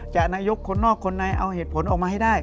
นายกคนนอกคนในเอาเหตุผลออกมาให้ได้